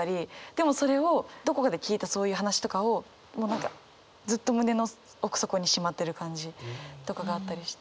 でもそれをどこかで聞いたそういう話とかをもう何かずっと胸の奥底にしまってる感じとかがあったりして。